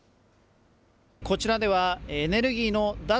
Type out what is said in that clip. こちらでは、エネルギーの脱